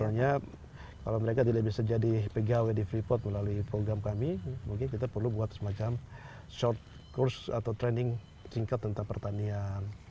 makanya kalau mereka tidak bisa jadi pegawai di freeport melalui program kami mungkin kita perlu buat semacam short kurs atau training singkat tentang pertanian